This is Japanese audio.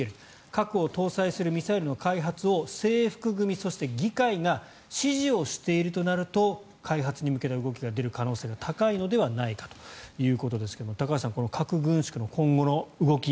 核を搭載するミサイルの開発を制服組、そして議会が支持をしているとなると開発に向けての動きが出る可能性が高いのではないかということですが高橋さん、核軍縮の今後の動き